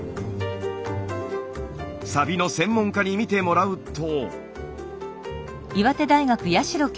サビの専門家に見てもらうと。